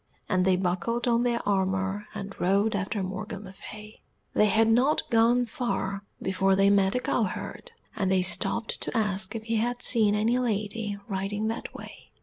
And they buckled on their armour and rode after Morgan le Fay. They had not gone far before they met a cowherd, and they stopped to ask if he had seen any lady riding that way.